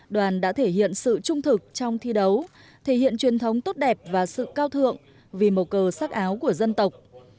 đoàn đã thể hiện sự trung thực trong thi đấu thể hiện truyền thống tốt đẹp và sự cao thượng vì mầu cờ sắc áo của dân tộc